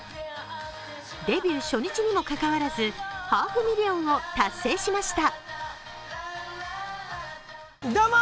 デビュー初日にもかかわらずハーフミリオンを達成しました。